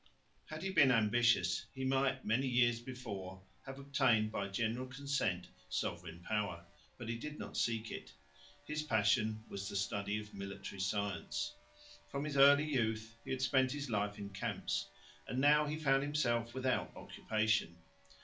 Had he been ambitious, he might many years before have obtained by general consent sovereign power, but he did not seek it. His passion was the study of military science. From his early youth he had spent his life in camps, and now he found himself without occupation.